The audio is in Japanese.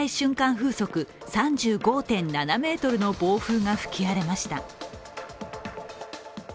風速３５．７メートルの暴風が吹き荒れました。